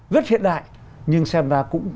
rất hiện đại nhưng xem ra cũng